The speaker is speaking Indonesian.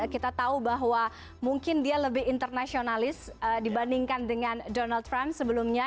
kita tahu bahwa mungkin dia lebih internasionalis dibandingkan dengan donald trump sebelumnya